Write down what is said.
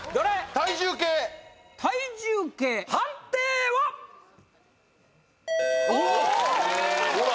体重計判定は？ほら！